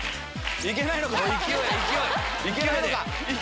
いけないのか、いけ。